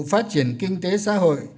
phát triển kinh tế xã hội